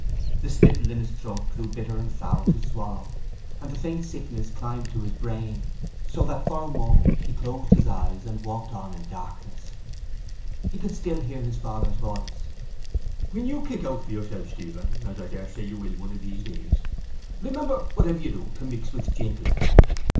The spittle in his throat grew bitter and foul to swallow and the faint sickness climbed to his brain so that for a moment he closed his eyes and walked on in darkness. He could still hear his father's voice— —When you kick out for yourself, Stephen—as I daresay you will one of these days—remember, whatever you do, to mix with gentlemen.